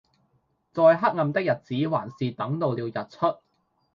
再黑暗的日子還是等到了日出